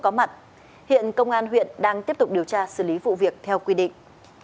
có mặt hiện công an huyện đang tiếp tục điều tra xử lý vụ việc theo quy định